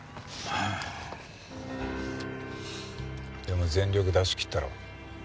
でも全力出し切ったろ？